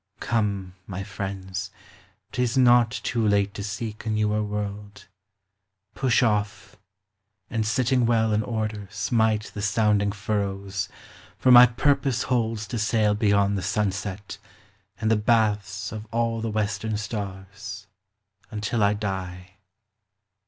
Come, my friends, T is not too late to seek a newer world. Push off, and sitting well in order smite The sounding furrows; for my purpose holds To sail beyond the sunset, and the baths Of all the western stars, until I die.